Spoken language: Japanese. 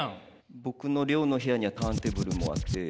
僕の寮の部屋にはターンテーブルもあって。